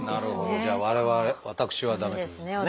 じゃあ我々私は駄目ってことですね。